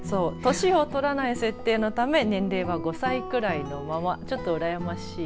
年を取らない設定のため年齢は５歳くらいのままちょっとうらやましい。